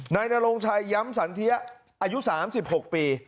นายนรงชัยย้ำสันเทียอายุ๓๖ปี